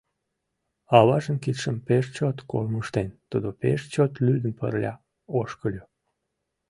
Аважын кидшым пеш чот кормыжтен, тудо пеш чот лӱдын пырля ошкыльо.